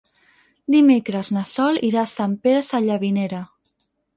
Dimecres na Sol irà a Sant Pere Sallavinera.